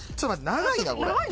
長いなこれ。